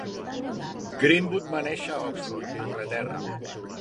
Greenwood va néixer a Oxford, Anglaterra.